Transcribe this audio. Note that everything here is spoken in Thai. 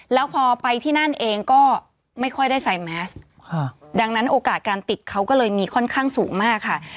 แล้วพอไปที่นั่นเองก็ไม่ค่อยได้ใส่แมสดังนั้นโอกาสการติดเขาก็เลยมีค่อนข้างสูงมากค่ะ